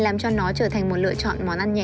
làm cho nó trở thành một lựa chọn món ăn nhẹ